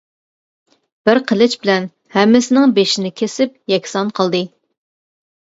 بىر قىلىچ بىلەن ھەممىسىنىڭ بېشىنى كېسىپ يەكسان قىلدى.